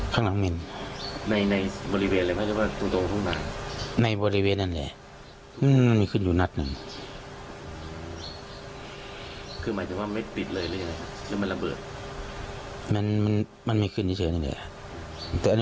เพราะว่าผมอยู่ในวิธีงาน